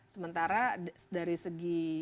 sementara dari segi